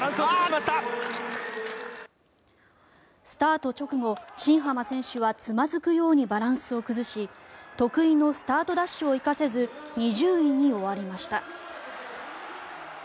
スタート直後、新濱選手はつまずくようにバランスを崩し得意のスタートダッシュを生かせず２０位に終わりました。